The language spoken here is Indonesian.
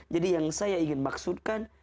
jadi yang saya ingin maksudkan